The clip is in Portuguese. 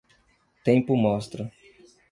Tempo mostra.